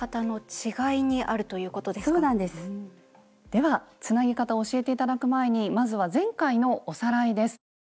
ではつなぎ方を教えて頂く前にまずは前回のおさらいです。